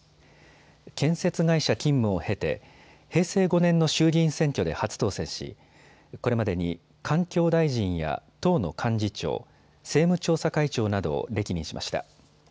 建設会社勤務を経て、平成５年の衆議院選挙で初当選しこれまでに環境大臣や党の幹事長、政務調査会長などを歴任しました。